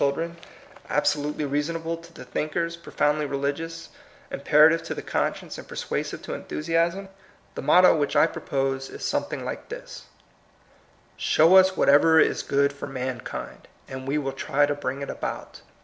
dren, absolutely reasonable to the thinkers, profoundly religious, impei ative to the con science, and persuasive to enthusiasm ? The motto which I propose is something like this :— Show vs whatever is good for mankind^ and we will try to bring it abotU.